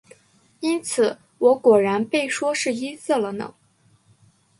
因此我果然被说是音色了呢。